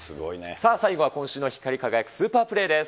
さあ、最後は今週の光り輝くスーパープレーです。